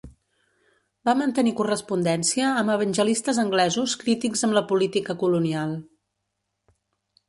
Va mantenir correspondència amb evangelistes anglesos crítics amb la política colonial.